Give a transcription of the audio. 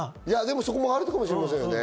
そこもあるかもしれませんね。